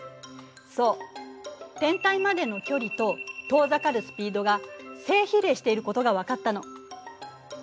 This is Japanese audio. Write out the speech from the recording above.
そう天体までの距離と遠ざかるスピードが正比例していることが分かったの。